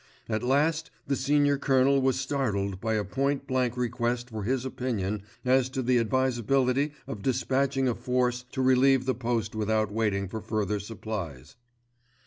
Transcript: At last the Senior Colonel was startled by a point blank request for his opinion as to the advisability of despatching a force to relieve the post without waiting for further supplies.